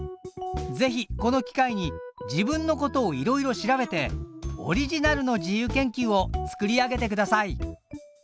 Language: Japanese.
ぜひこの機会に自分のことをいろいろ調べてオリジナルの自由研究を作り上げてください！